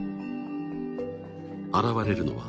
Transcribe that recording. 現れるのは